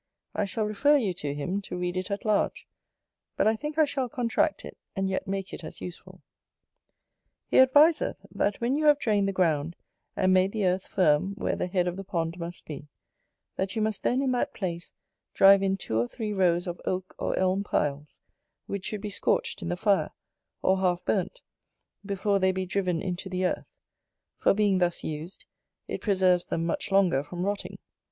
I shall refer you to him, to read it at large: but I think I shall contract it, and yet make it as useful. He adviseth, that when you have drained the ground, and made the earth firm where the head of the pond must be, that you must then, in that place, drive in two or three rows of oak or elm piles, which should be scorched in the fire, or half burnt, before they be driven into the earth; for being thus used, it preserves them much longer from rotting.